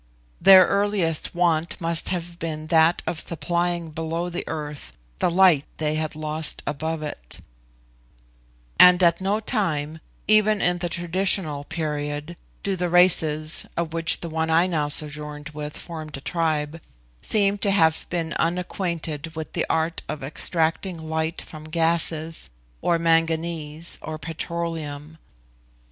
Their earliest want must have been that of supplying below the earth the light they had lost above it; and at no time, even in the traditional period, do the races, of which the one I now sojourned with formed a tribe, seem to have been unacquainted with the art of extracting light from gases, or manganese, or petroleum.